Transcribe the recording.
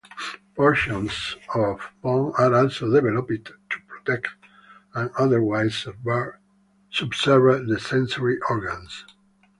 Portions of bone are also developed to protect and otherwise subserve the sensory organs.